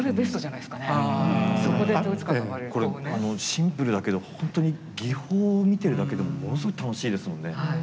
シンプルだけどほんとに技法を見てるだけでもものすごい楽しいですもんね。